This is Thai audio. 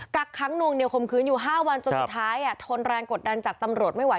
กักค้างนวงเหนียวคมคืนอยู่๕วันจนสุดท้ายทนแรงกดดันจากตำรวจไม่ไห